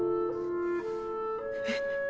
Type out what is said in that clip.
えっ？